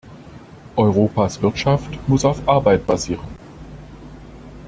Europas Wirtschaft muss auf Arbeit basieren.